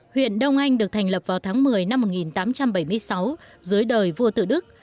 huyện đông anh được thành lập vào tháng một mươi năm một nghìn tám trăm bảy mươi sáu dưới đời vua tự đức